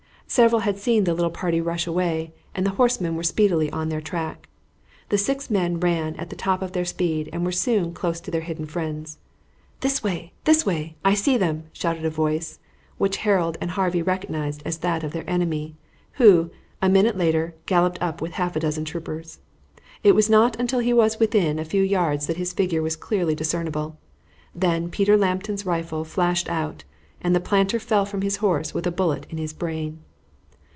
Several had seen the little party rush away, and the horsemen were speedily on their track. The six men ran at the top of their speed and were soon close to their hidden friends. "This way! this way! I see them!" shouted a voice, which Harold and Harvey recognized as that of their enemy, who, a minute later, galloped up with half a dozen troopers. It was not until he was within a few yards that his figure was clearly discernible; then Peter Lambton's rifle flashed out, and the planter fell from his horse with a bullet in his brain.